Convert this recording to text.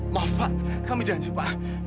maaf pak kami janji pak